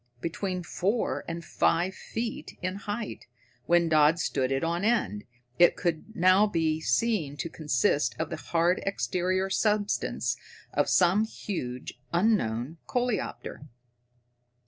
Between four and five feet in height, when Dodd stood it on end, it could now be seen to consist of the hard exterior substance of some huge, unknown coleopter.